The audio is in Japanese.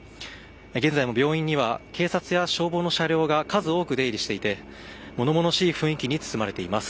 現在も病院には警察や消防の車両が数多く出入りしていて物々しい雰囲気に包まれています。